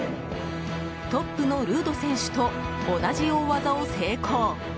トップのルード選手と同じ大技を成功！